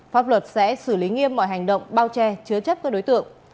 pháp luật sẽ xử lý nghiêm mọi hành động bao che chứa chấp các đối tượng